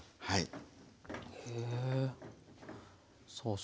はい。